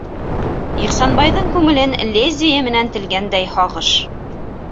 Ихсанбайҙың күңелен лезвие менән телгәндәй һағыш